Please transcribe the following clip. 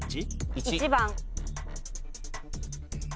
１番。